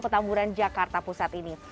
ketamburan jakarta pusat ini